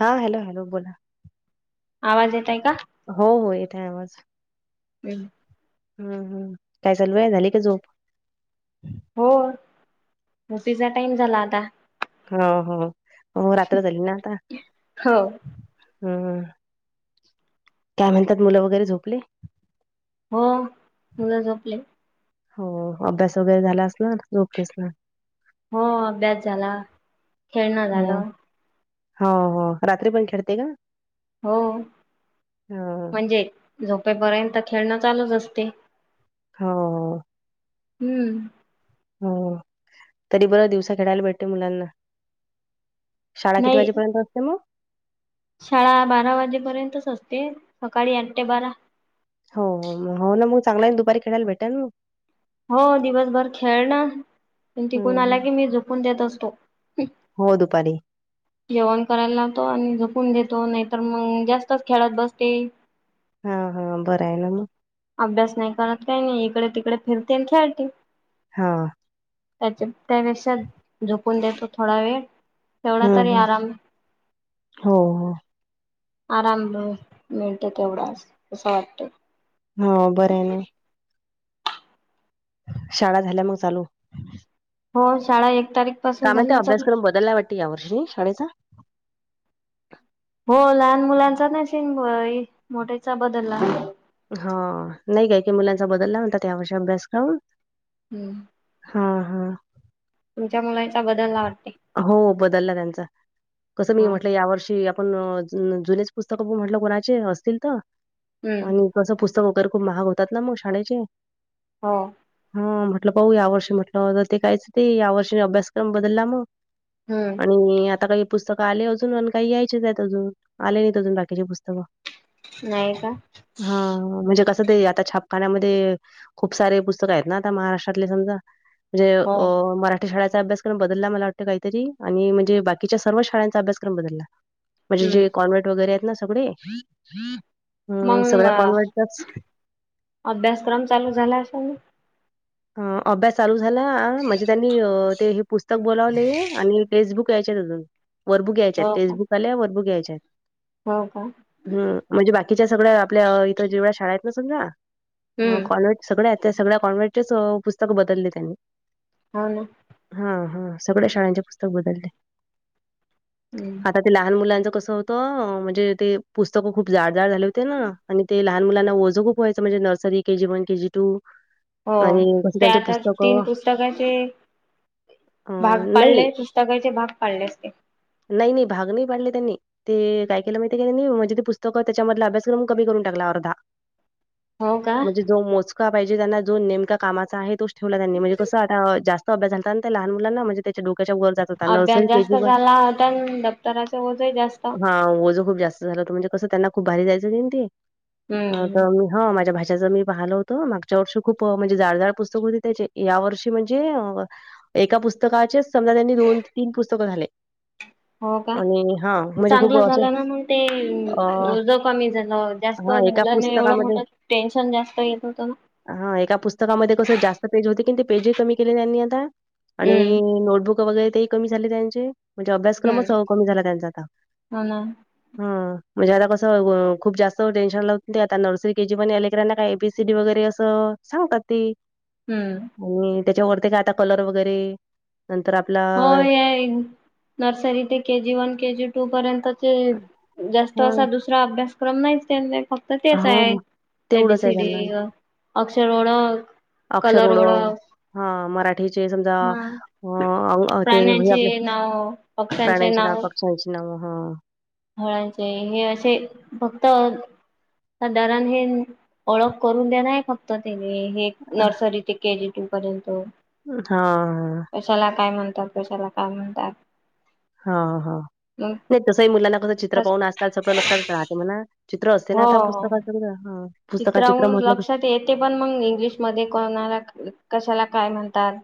हा. Hello, hello, बोला. आवाज येतोय का? हो हो येत आहे आवाज. बोल. हम् हम काय चालु आहे झाली का झोप. हो उठीचा टाइम झाला आता. हो हो म मग रात्र ली ना आता हो हम्म. काय म्हणतात मुलं वगैरे झोपले. हो मुलं झोपले. हो अभ्यास वगैरे झाला असला झोपले असणार. हो अभ्यास झाला खेळणं हो झालं. हो हो रात्री पण खेळते का. हो हो म्हणजे झोपेपर्यंत खेळणं चालूच असते. हो. हम्म. हो तरी बरं दिवसा खेळायला भेटते मुलांना. शाळा किती नाही वाजेपर्यंत असते मग. शाळा बारा वाजेपर्यंतच असते सकाळी आठ ते बारा. हो हो ना मग चांगला दुपारी खेळायला भेटायल न मग. हो दिवसभर खेळ न तिकून आला हम्म की मी झोपून देत असतो. हो दुपारी. जेवण करायला लागतो आणि झोपून देतो नाहीतर मग जास्तच खेळात बसती. हा हा बरं आहे ना मग. अभ्यास नाही करत काही नाही इकडे तिकडे फिरते आणि खेळते. हा. त्याच्या त्या पेक्षा झोपुन देतो थोडा वेळ. तेवढा हम्म तरी हम्म. आराम. हो हो आराम मिळतो तेवढाच असं वाटतं. हा बरं आहे ना. शाळा झाल्या मग चालू. हो शाळा एक तारीख. काय पासून माहिती झाल्या तर अभ्यासक्रम बदलला वाटते या वर्षी शाळेचा. हो लहान मुलांचा नाही शिंग मोठेचा बदलला. हो नाही काय की मुलांचा बदलला म्हणतात त्या वर्षी अभ्यासक्रम. हम्म. हा हा. तुमच्या मुलांचा बदलला वाटते. हो बदलला त्यांचा कसं मी ह म्हटलं या वर्षी आपण. अ जुनेच पुस्तक म्हटलं कोणाचे असतील तर हम्म आणि. कसं पुस्तक वगैरे खचप महाग होतात ना मग शाळेचे. हो. हा म्हटलं पाऊ या वर्षी म्हटलं ते कायचं ते या वर्षी मी अभ्यासक्रम बदलला मग. हम्म आणि आता काही पुस्तकं आले अजून पण काही यायचेच आहेत अजून आले नाहीत अजून बाकीची पुस्तकं. नाही का. हा म्हणजे कसं ते आता छापखान्यामध्ये. खूप सारे पुस्तक आहेत ना आता महाराष्ट्रातले समजा. म्हणजे हो अ मराठी शाळेचा अभ्यास्रम बदलला मला वाटत. ते काहीतरी आणि म्हणजे बाकीच्या सर्व शाळांचा अभ्यासक्रम बदला. म्हणजे हम्म जे कॉन्वर्ट वगैरे आहेत ना सगळे ह सगळ्या मग कॉन्वर्टच. अभ्यासक्रम चालू झाला असेल. ह अभ्यास चालू झाला म्हणजे त्यांनी ते हे. पुस्तक बोलावले आणि टेक्स्टबुक यायच्या अजून वरबुक यायच्यात हो का टेक्स्टबुक आल्या वरबुक यायच्यात. हो का, ह म्हणजे बाकीच्या सगळ्या आपल्या इथ जेवढ्या शाळा आहेत ना समजा हम्म कॉलेज सगळ्या त्या सगळ्या कॉन्व्हेंटचे पुस्तक बदलले त्यांनी हो ना. हा हा सगळ्या शाळांचे पुस्तक बदलले. हम्म आता ते लहान मुलांच कसं होत त म्हणजे ते पुस्तकं खूप जाड जााड झाले होते ना आणि ते लहान मुलांना ओझं खूप व्हायचं म्हणजे nursery K G one K G two. हो ते आता तीन पुस्तकाचे अ, भाग पाडले नाही, पुस्तकाचे भाग पाडले असते. नाही नाही भाग नाही पाडले त्यांनी, ते काय केलं माहितीय काय तेणी म्हणजे ते पुस्तकं त्याच्यामधला अभ्यासक्रम कमी करून टाकला अर्धा [inaudible] म्हणजे जो मोजका पाहिजे त्यांना जो नेमका कामाचा आहे तोच ठेवला त्यांनी म्हणजे कसं आता जास्त अभ्यास झालता आण त्या लहान मुलांना म्हजे त्याच्या डोक्याच्या वर जात हो का अभ्यास नर्सरी के जास्त जी व झाला होता दप्तराच ओझही जास्त. हा ओझं खूप जास्त झाल पण म्हणजे कस त्यांना खूप भारी जायचं ते, हम्म. आता म हो माझ्या भाच्याचं मी पाहिलं होतं मागच्या वर्षी खूप म्हणजे जाडजड पुस्तक होती त्याचे या वर्षी म्हणजे एका पुस्तकाचेच समजा त्यांनी दोन तीन पुस्तकं झाले. [inaudible] हो का आणि हां, म्हणजे खूप चांगलं असं झालं ना मग ते अ, ज कमी झालं. जास्त हां, एका मुलांनी एवढं पुस्तकामध्ये मोठं टेन्शन जास्त येत होतं ना. हा एका पुस्तकामध्ये कसं जास्त पेज होते की ते पेजही कमी केले त्यांनी आता आणि हम्म. नोटबुक वगैरे ते कमी झाले त्यांचे म्हणजे अभ्यासक्रमच हम्म कमी झाला त्यांचा आता हो ना ह म्हणजे आता कसं खूप जास्त टेशन लागते आता नर्सरी केजी पण यां लेकरांना काय एपीसीडी वगैरे अस अ सांगु का ती हम्म होय त्याच्यावररती काय आता कलर वगैरे, नंतर आपला हो याईन. नर्सरी ते K G one K G two पर्यंतची जास्त असा हां, दुस रा अभ्यासक्रम नाहीच त्यांना फक्त तेच आय. हां. ए बी तेवढंच सी आहे डी त्यांना. अ अक्षर ओळख. अक्षर ओळख हा मराठीचे समजा हा अ अ ते म्हणजे प्राण्यांचे आपल नाव पक्ष्यांचे प्राण्यांची नाव पक्ष्यांची नाव ह फळांचे हे असे फक्त साधारण हे ओळख करून देण आहे फक्त त तेणी हे नर्सरी ते के जी टू पर्यंत. हा ह. कशाला काय म्हणतात कशाला काय म्हणतात. हा हा मग नाही तसंही मुलांना कसं चित्र फस्ट पाहून असताच सगळं लक्षात राहते म्हणा चित्र असते ना हो आता हो पुस्तकाचं सगळं हा चित्राहून लक्षात येते पण मग इंग्लिशमध्ये कोणाला कशाला काय म्हणतात.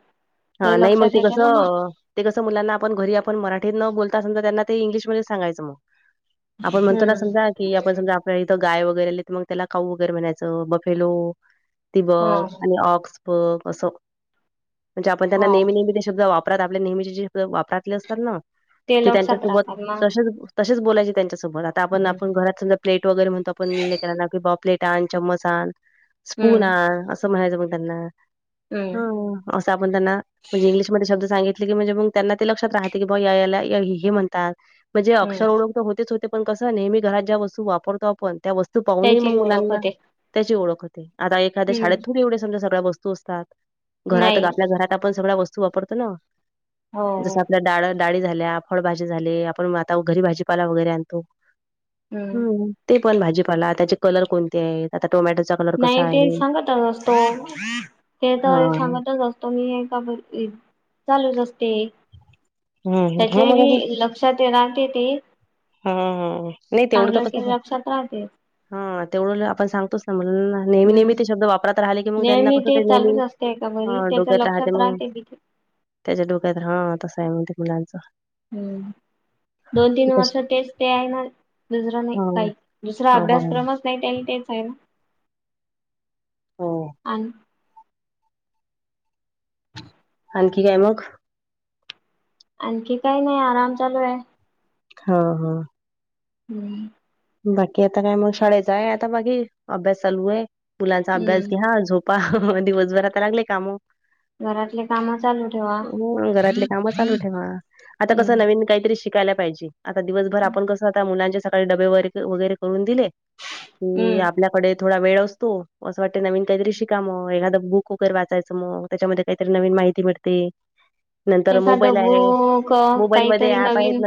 हा हे नाही मग लक्षात ते येते ना मग कसं. ते कसं मुलांना आपण घरी आपण मराठीत न बोलता असल तर त्यांना ते इंग्लिशमध्ये सांगायचं मग. आपण म्हणतोना हम्म समजा की आप पण समजा आपल्या इथं गाय वगैरे आली तर मग त्याला खाऊ वगैरे म्हणायचं बफेलो, ती ह बघ आणि ऑक्स बघ असं. म्हणजे आपण त्यां हो नेहमी नेहमी ते शब्द वापरात आपले नेहमीचे ज शब्द वापरातले असतात ना ते त लक्षात त्यांच्यासोबत राहतात मग तच तच बोलायची त्यांच्यासोबत आता आपण हम्म आपण घरात समजा प्लेट वगैरे म्हणतो आपणले बा प्लेट आण चम्मच आण स्पून हम्म आण म्हणायचं मग त्यांना हम्म हा असं आपण त्यांना म्हणजे इंग्लिशमध्येध्ये शब्द सांगितले की म्हणजे मग त्यांना ते लक्षात राहते की बा याला हे म्हणतात म्हणजे हम्म अक्षरओळोख तर होतेच होते पण कसं नेहमी घरात ज्या वस्तू वापरतो आपण त्या वस्तू पाह नय मग त्याची ओळख मुलांना होते त्याची ओळख होते आता एखाद्या शाळेत हम्म थ एवढ्या समज्या सगळ्या वस्तू असतात घरात ग नाही घरात आपण सगळ वस्तू वापरतो ना हो हो जस डाळ डाळी झाल्या फळभजी झाले आपण आता घरी भाजीपाला वगैरे आणतो हम्म ते पण भाजीपाला त्याचे कलर कोणते आहेत आता टोमॅटोचा क नाही ते सांगतच असतो ते तर हां. सांगतच असतो त मी का चालूच असते हं, हं. त्याच्या हां बी लक्षात येणार की ते. हमम हम नाही तेवढं तर चांगलं की कसं लक्षात राहते हा तेवढं आपण सांगतोच ना मला नेहमी नेहमी हम्म ते शब्द वापरत राहिले कि मग त्यांना नेहमी कसं ते नेहमी चालूच असते एका घरी त्याच्या डोक्यात राहते लक्षात मग कि त्याच्या डोक्यात हा तसं आहे म्हणते मुलांचं हम् दोन तीन वर्ष तसं तेच ते आहे ना दुसरा नाही हां, काही दुसरा हो, हो, अभ्यासक्रमच ल तेच आहे हो. हम आणखी काय मग आणखी काही नाही आराम चालू आहे हा हा हम्म बाकी आता काय मग शाळेचा आहे आता बाघकी अभ्यास चालू आहे मुलांचा अभ्यास हम्म घ्या झोप दिवसभरा तर लागले काम घरातले काम चालू ठेवा घरातले काम चालू ठेवा आता हम्म कसं नवीन काहीतरी शिकायला पाहिजे आता दिवसभर आपण कसं आता मुलांचे सकाळी डबे व वगैरे करून दिले की हम्म आपल्या डे थोडा वेळ असतो असं वाटत नवीन काहीतरी शिका मग एखादां बुक वगैर वाचायचं मग त्याच्यामध्ये काहीतरी नवीन माहिती मिळते नंतर मोबाईल एखादं आहे बूक मोबाईलमध्ये काहीतरी ऍप आहेत नवीन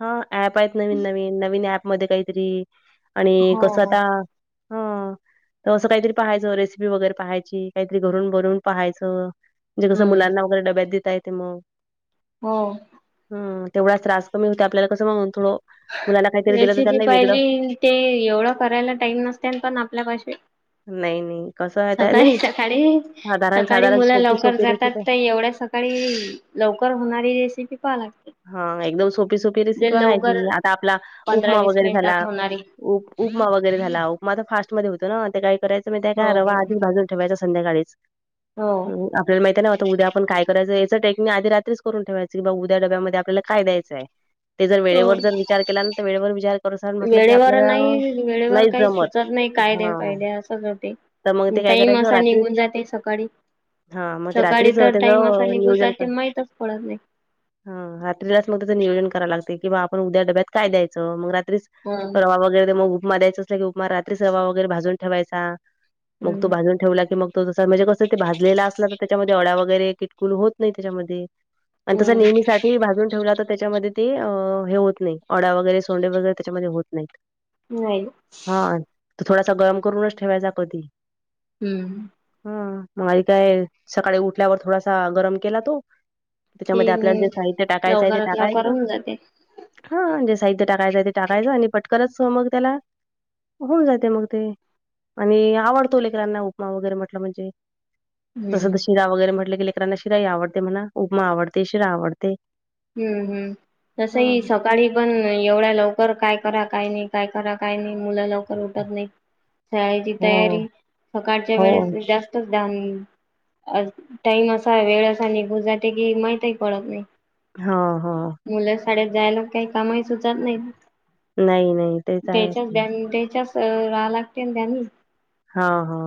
हा ऍप आहेत नवीन नवीन नवीन ऍप मध्ये काहीतरी आणि हो कस हो. आता हा तर असं काहीतरी पाहायचं रेसिपी वगैरे पाहायची काहीतरी घरून बरून पाहायचं म्हे कसं हम्म मुलांना वगैरेडब्यात देत य ते मग हो हम तेवढाच त्रास कमी होत आपल्याला कसं म्हणून थोडं मुलाला काहीतरी दिलं तर त्यांना वेगळं पहिली ते एवढं करायला टाईम नसत पण आपल्या कशी नाही नाही कसं आहे आता सकाळी नाही सकाळी साधारण सकाळी साधारण मुलं सोपी लवकर सोपी जातात रेसिपी तर एवढ्या सकाळी लवकर होणारी रेसिपी पाहा लागते हा एकदम सोपी सोपी जे रेसिपी लवकर आहेहायची आता आपला पंधरा उपमा वीस वगैरे झाला मिनिटात होणारी. उप उपमा वगैरे झाला उपमा तर फास्टमध्ये होतो ना ते काही करायचं म त्या हो काय रवा आधच भाजून ठेवायचा संध्याकाळीच हो. ह आपल्याला माहितीय ना आता उद्या आपण काय करायचं याच टेक्निक आधी रात्रीच करून ठेवायचं कि बा उद्या डब्यामध्ये आपल्याला काय द्यायचं आहे ते जर हो. वेळेवर जर विचार केला ना तर वेळेवर विचार कर अस म्हटलं की वेळेवर आपल्याला नाही वेळेवर नाही काही जमत सुचत नाही कायद्या हां, कायद्या असच होते तर मग ते काय टाईम करायचं असा रात्रीच निघून जाते सकाळी हां, मग ते सकाळी रात्रीच तर टाइम असा त्याचं नि गुजर नियोजन कर ते माहितच पडत नाही हा रात्रीलाच मग त त्याच नियोजन कराय लागते की बा आपण उद्या डब्यात काय द्यायचं मग रात्री हम्म रवा वगैरे ते मग उपमा द्यायच असलं की उपमा रात्रीच रवा वगैरे भाजून ठेवायचा मग तू भाजून ठेवला की मग तो त म्हणजे कसं ते भाजलेला असला तर त्याच्यामध्ये डळ्या वगैरे किटकुल होत नाही त्याच्यामध्ये आणि तसं हम्म नेहमीसाठी भाजून ठेवला तर त्याच्यामध्ये ते हे होत नाही अड्या वगैरे सोंडे वगैरे त्याच्यामध्ये होत नाही नाहील हा त थोडासा गरम करूनच ठेवायचा कधी हम्म हम मग आध काय सकाळी उठल्यावर थोडासा गरम केला तो ह त्याच्यामध्ये आपल्याला जे साहित्य लवकरात लवकर होऊन जाते हा जे साहित्य टाकायचंय ते टाकायचं आणि पटकरच मग त्याला होऊन जाते मग ते आणि आवडतो लेकरांना उपमा वगैरे म्हटलं म्हणजे तसं हम्म तर शिरा वगैरे म्हटलं किी करांना शिराही आवडते म्हणा उपमा आवडते शिरा आवडते हम्म हम् तसही स हां. सकाळी पण एवढ्या लवकर काय करा काय नाही काय करा काय नाही मुलं लवकर उठत नाही शाळेची हो, तयारी सकाळच्या वेळेस हो. जास्त टाईम असा वेळ असा निघून जाते की माहितही पडत नाही हा हा मुलं शाळेत जायला काही कामही सुचत नाही नाही, नाही. तेच आहे. त्याच्याच हं. त्याच्याच रा लागते ना त्यांनी हा हा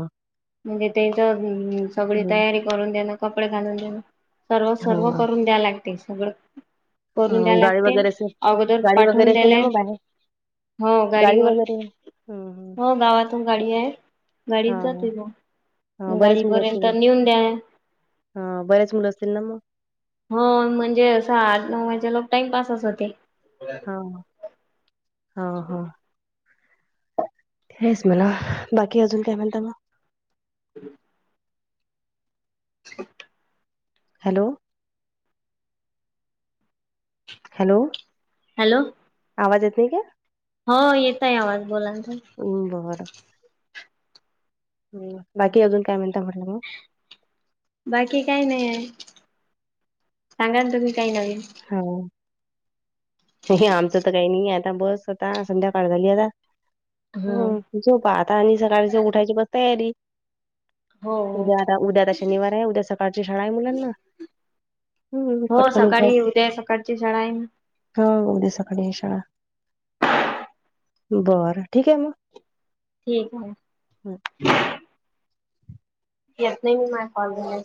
म्हणजे त्याच सगळी हं. तयारी करून देणं कपडे घालून देणं सर्व सर्व हां, करून द्या लागते सगळं करून द्या हां. गाडी लागते वगैरे असेल अगोदर गाडी पाठवून वगैरे असेल ना द्यालाय मग बाहेर? हो गाडी गाडीवर वगैरे हं, हं. हो गावातून गाडी आहे गाडी जातय हां, ग हां. गाडीपर्यंत नेऊन द्या हा बर्याच मुलं असतील ना मग हो म्हणजे आठ नऊ वाजे लोक टाइमपासच होते हा हा हेच मला बाकी अजून काय म्हणता म ह हॅलो हॅलो हॅलो आवाज येतनी का हो येतय आवाज बोलाचा ह बरं ह बाकी अजून काय म्हणता म्हटलं मग बाकी काही नाही आहे सांगाल तुमही काही न हा नाही आमचं तर काही नाही आहे आता बस आ संध्याकाळ झाली आता हम्म झोपा आता आणि सकाळच उठायची बसता यारी हो हो उद्या आता उद्या त शनिवार आहे उद्या सकाळची शाळा आहे मुलांना हम्म हो पटकन उठाय सकाळी उद्या सकाळची शाळा आहे हा उद्या सकाळी शाळा बर ठीक आहे मग ठीक आहे त नाही मी म कॉलणार